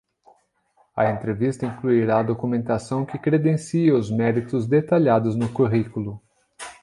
A entrevista incluirá a documentação que credencia os méritos detalhados no currículo.